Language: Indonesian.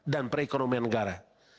dan perekonomian negara